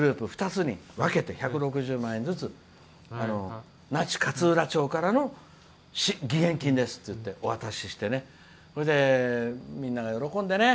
２つに分けて１６０万円ずつ那智勝浦町からの義援金ですって言ってお渡しして、みんなが喜んでね。